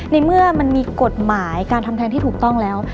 ในเมื่อมันมีกฎหมายการทำแทนที่ถูกต้องแล้ว